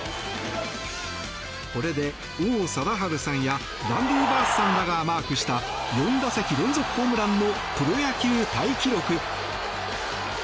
これで王貞治さんやランディ・バースさんらがマークした４打席連続ホームランのプロ野球タイ記録。